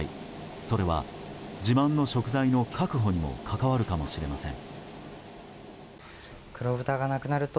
それは、自慢の食材の確保にも関わるかもしれません。